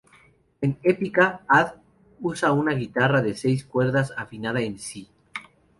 En Epica, Ad usa una guitarra de seis cuerdas afinada en Si.